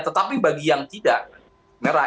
tetapi bagi yang tidak merah